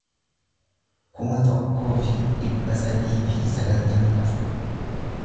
kuma tokkoo fi dhibba sadii fi sagaltamii afur